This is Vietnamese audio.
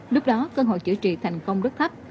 lúc đó cơ hội chữa trị thành công rất thấp